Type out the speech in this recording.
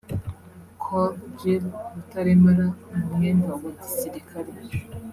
Col Jill Rutaremara mu mwenda wa gisirikare